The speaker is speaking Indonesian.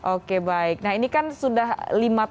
oke baik nah ini kan sudah lima hari lagi